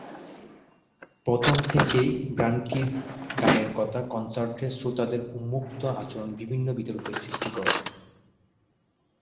প্রথম থেকেই ব্যান্ডটির গানের কথা, কনসার্টে শ্রোতাদের উন্মত্ত আচরণ বিভিন্ন বিতর্কের সৃষ্টি করে।